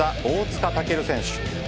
大塚健選手。